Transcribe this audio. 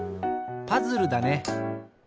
パズルだね。